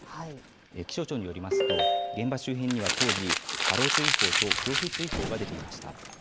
気象庁によりますと、現場周辺には当時、波浪注意報と強風注意報が出ていました。